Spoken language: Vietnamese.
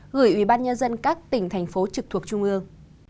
gửi ủy ban nhân dân các tỉnh thành phố trực thuộc trung ương